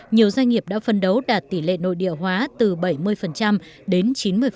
nhiều doanh nghiệp đã phân đấu đạt tỷ lệ nội địa hóa từ bảy mươi đến chín mươi